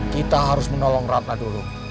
kita harus menolong ratna dulu